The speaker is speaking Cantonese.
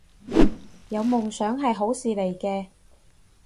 有夢想係好事嚟嘅